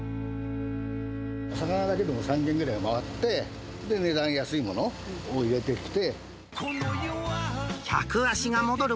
魚だけでも３軒ぐらい回って、値段を安いものを入れてきて。